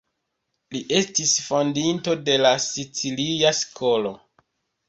Li estis fondinto de la Sicilia Skolo.